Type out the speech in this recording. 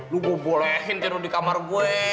lu gue bolehin tidur di kamar gue